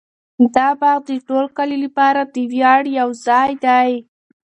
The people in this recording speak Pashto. دا باغ د ټول کلي لپاره د ویاړ یو ځای دی.